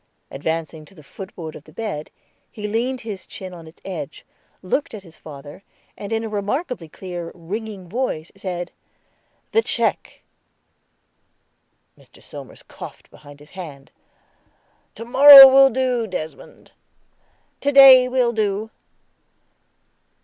Advancing to the footboard of the bed, he leaned his chin on its edge, looked at his father, and in a remarkably clear, ringing voice, said: "The check." Mr. Somers coughed behind his hand. "To morrow will do, Desmond." "To day will do."